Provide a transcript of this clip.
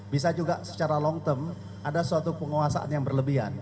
bisa juga secara long term ada suatu penguasaan yang berlebihan